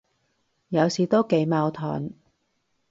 有時都幾矛盾，